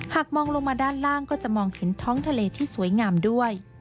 หากมองลงมาด้านล่างก็จะมองเห็นท้องทะเลที่สวยงามด้วย